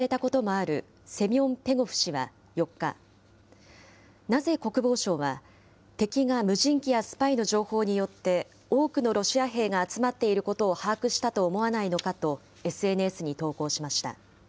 ロシアの軍事ジャーナリストで、去年、プーチン大統領から表彰されたこともあるセミョン・ペゴフ氏は４日、なぜ国防省は、敵が無人機やスパイの情報によって、多くのロシア兵が集まっていることを把握したと思わないのかとＳＮＳに投稿しました。